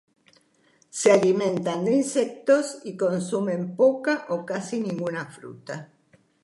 Se alimentan de insectos y consumen poca o casi ninguna fruta.